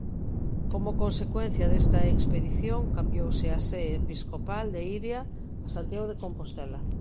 Como consecuencia desta expedición cambiouse a sé episcopal de Iria a Santiago de Compostela.